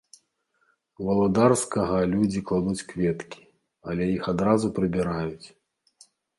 Валадарскага людзі кладуць кветкі, але іх адразу прыбіраюць.